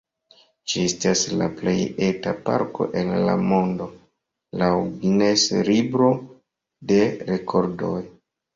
Ĝi estas la plej eta parko el la mondo, laŭ Guinness-libro de rekordoj.